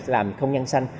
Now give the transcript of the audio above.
làm không gian xanh